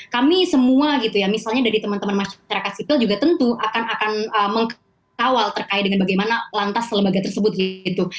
kami semua gitu ya misalnya dari teman teman masyarakat sipil juga tentu akan mengkawal terkait dengan bagaimana lantas lembaga tersebut gitu